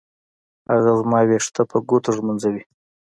هغه زما ويښته په ګوتو ږمنځوي.